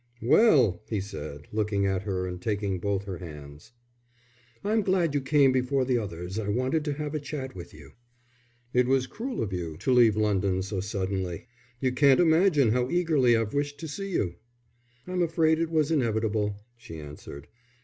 "Well?" he said, looking at her and taking both her hands. "I'm glad you came before the others, I wanted to have a chat with you." "It was cruel of you to leave London so suddenly. You can't imagine how eagerly I've wished to see you." "I'm afraid it was inevitable," she answered.